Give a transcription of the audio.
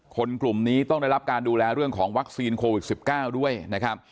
กลุ่มนี้ต้องได้รับการดูแลเรื่องของวัคซีนโควิด๑๙ด้วยนะครับ